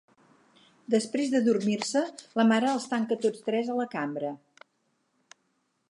Després d'adormir-se, la mare els tanca tots tres a la cambra.